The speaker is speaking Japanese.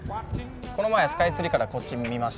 この前スカイツリーからこっち見ました。